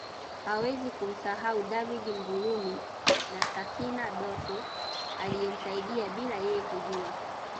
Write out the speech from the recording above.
Hawezi kumsahau David Mbulumi na Sakina Datoo aliyemsaidia bila yeye kujua